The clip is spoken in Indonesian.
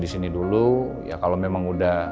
disini dulu ya kalau memang udah